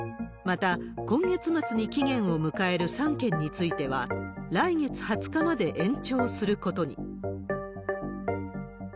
また、今月末に期限を迎える３県については、来月２０日まで延長することに。